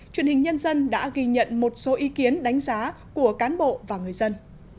truyền hình nhân dân đã ghi nhận một số ý kiến đánh giá của cán bộ và người dân